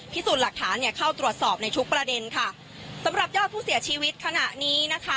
พิสูจน์หลักฐานเนี่ยเข้าตรวจสอบในทุกประเด็นค่ะสำหรับยอดผู้เสียชีวิตขณะนี้นะคะ